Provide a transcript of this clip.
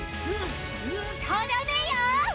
とどめよ！